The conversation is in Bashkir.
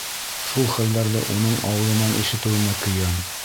Шул хәлдәрҙе уның ауыҙынан ишетеүемә көйәм.